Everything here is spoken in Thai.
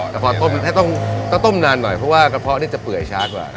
แต่พอต้มถ้าต้องต้มนานหน่อยเพราะว่ากระเพาะนี่จะเปื่อยช้ากว่า